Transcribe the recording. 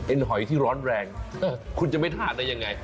หอยที่ร้อนแรงคุณจะไม่ทานได้ยังไง